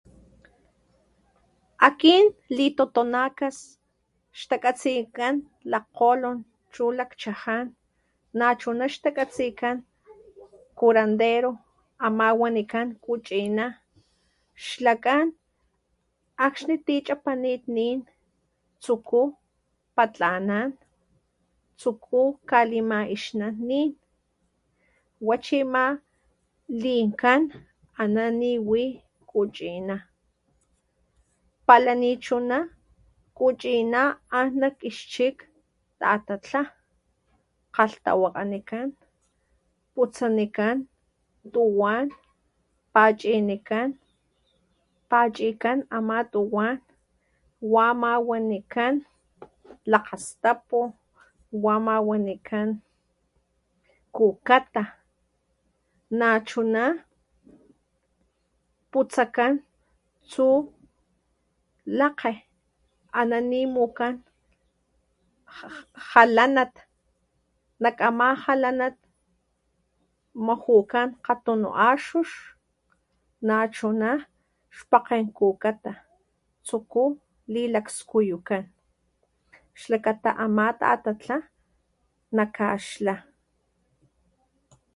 Akin li totonacas xtakatsinkan lajkgolon chu lakchajan nachuna xtakatsikan curandero ama wanikan kuchina xlakan akxni ti chapanit nin tsuku patlanan, tsuku kalimaixnan nin, wa chima linkan ana niwi kuchina pala ni chuna, kuchina an nak ix chik tatatla kgalhtawakganikan putsanikan tuwan pachinikan pachikan ama tuwan wama wanikan lakgastapu wama wanikan kukata nachuna putsakan tsu lakge ana nimukan ja jalanat nak ama jalanat mujukan kgatunu axux nachuma xpakgen kukata tsuku lilakskuyukan xlakata ama tatatla nakaxtla.